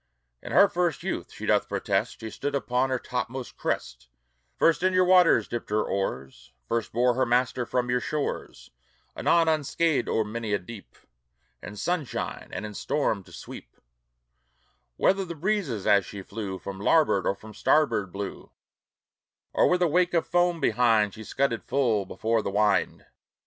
In her first youth, she doth protest, She stood upon your topmost crest, First in your waters dipped her oars, First bore her master from your shores Anon unscathed o'er many a deep, In sunshine and in storm to sweep; Whether the breezes, as she flew, From larboard or from starboard blew, Or with a wake of foam behind, She scudded full before the wind.